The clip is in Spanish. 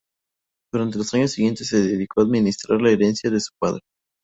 Durante los años siguientes se dedicó a administrar la herencia de su padre.